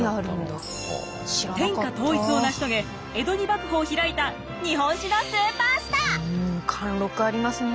天下統一を成し遂げ江戸に幕府を開いた貫禄ありますね。